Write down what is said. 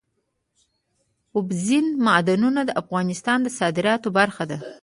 اوبزین معدنونه د افغانستان د صادراتو برخه ده.